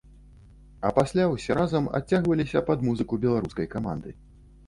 А пасля ўсе разам адцягваліся пад музыку беларускай каманды.